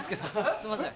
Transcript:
すいません。